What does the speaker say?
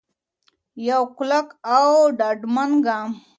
یو کلک او ډاډمن ګام.